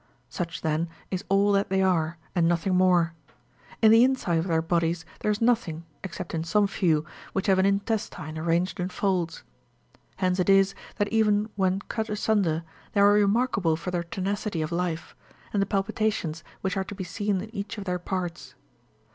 Such, then, is all that they are, and nothing more : 12 in the inside of their bodies there is nothing, except in some few, which have an intestine arranged in folds. Hence it is, that even when cut asunder, they are remarkable for their tenacity of life, and the palpitations which are to be seen in each of their parts.